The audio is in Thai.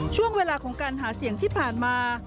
ช่วงเวลาของการหาเสียงที่ผ่านมา